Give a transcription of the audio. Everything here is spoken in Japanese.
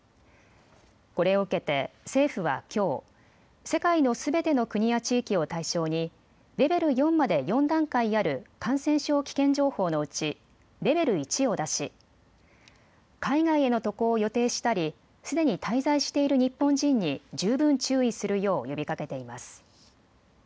これを受けて政府はきょう、世界のすべての国や地域を対象にレベル４まで４段階ある感染症危険情報のうちレベル１を出し海外への渡航を予定したりすでに滞在している日本人に十分注意するよう呼びかけています。